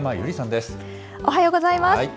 おはようございます。